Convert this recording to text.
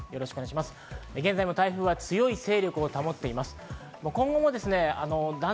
現在、台風は強い勢力を保っています。